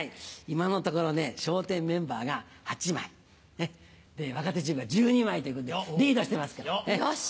今のところね笑点メンバーが８枚若手チームが１２枚ということでリードしてますから。